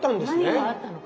何があったのか。